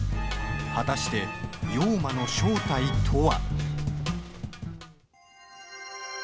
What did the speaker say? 果たして、陽馬の正体とは。